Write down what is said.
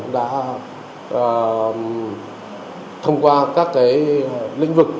đã thông qua các lĩnh vực